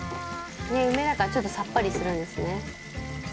「梅だからちょっとさっぱりするんですね」